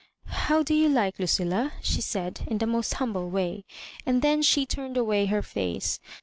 "How do you like Lucilla?" she said, in the most humble way; and then she turned away her face.